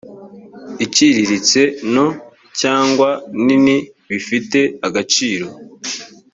iciriritse nto cyangwa nini bifite agaciro